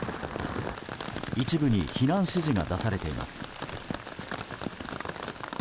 一部に避難指示が出されています。